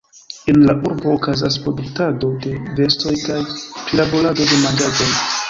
En la urbo okazas produktado de vestoj kaj prilaborado de manĝaĵoj.